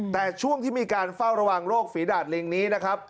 แต่ช่วงที่มีการเฝ้าระวังโรคฝีดาดลิงนี้นะครับ